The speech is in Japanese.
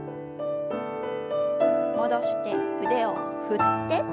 戻して腕を振って。